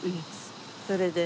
それで。